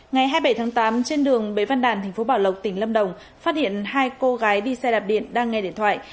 ngày hai mươi bảy tháng tám trên đường bế văn đàn tp bảo lộc tỉnh lâm đồng phát hiện hai cô gái đi xe đạp điện đang nghe điện thoại